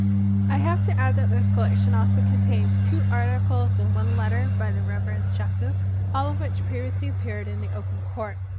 ♦♦♦ I have to add that this collection also contains two articles and one letter by the Reverend Shaku, all of which previously appeared in The Open Court.